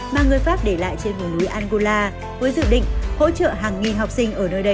mà người pháp để lại trên ngôi núi angola với dự định hỗ trợ hàng nghìn học sinh ở nơi đây tới trường